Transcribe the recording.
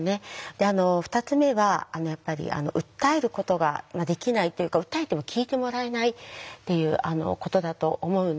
２つ目は訴えることができないっていうか訴えても聞いてもらえないっていうことだと思うんですね。